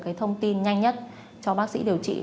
cái thông tin nhanh nhất cho bác sĩ điều trị